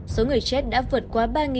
số người chết đã vượt qua ba